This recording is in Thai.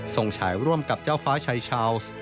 ฉายร่วมกับเจ้าฟ้าชายชาวส์